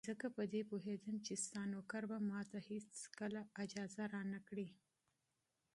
ځکه په دې پوهېدم چې ستا نوکر به ماته هېڅکله اجازه را نه کړي.